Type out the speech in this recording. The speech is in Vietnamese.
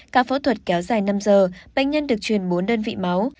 ca phẫu thuật kéo dài năm giờ bệnh nhân được truyền bốn đơn vị máu